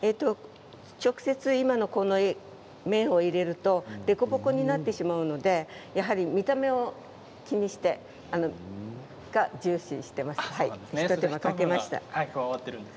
直接今の麺を入れると凸凹になってしまうので見た目を気にして重視しています。